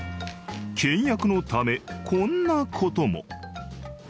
倹約のためこんな事も。